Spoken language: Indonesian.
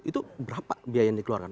itu berapa biaya yang dikeluarkan